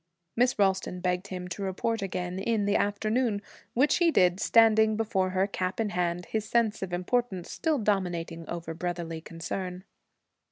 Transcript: Miss Ralston begged him to report again in the afternoon, which he did, standing before her, cap in hand, his sense of importance still dominating over brotherly concern.